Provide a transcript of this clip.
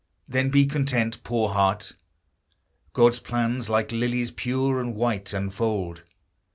Then be content, poor heart ! God's plans like lilies pure and white unfold.